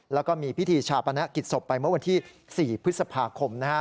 แล้วก็มีพิธีชาปนกิจศพไปเมื่อวันที่๔พฤษภาคม